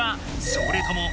それとも「！？」